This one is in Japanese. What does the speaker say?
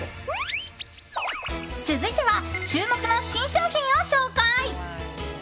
続いては、注目の新商品を紹介。